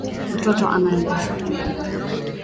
Mtoto anaenda shuleni.